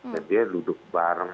jadi dia duduk bareng